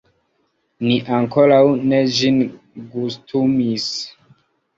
Ni ankoraŭ ne ĝin gustumis.